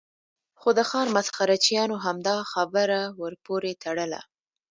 خو د ښار مسخره چیانو همدا خبره ور پورې تړله.